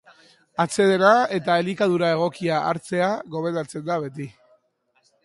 Atsedena eta elikadura egokia hartzea gomendatzen da beti.